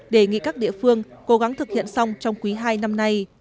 đề nghị các địa phương cố gắng thực hiện xong trong quý hai năm nay